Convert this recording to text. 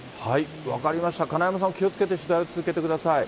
分かりました、かなやまさん、気をつけて取材をしてください。